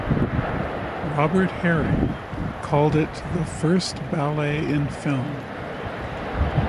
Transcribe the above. Robert Herring called it "the first ballet in film".